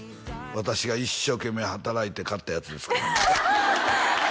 「私が一生懸命働いて買ったやつです」